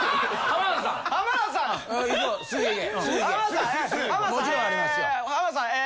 浜田さんえ。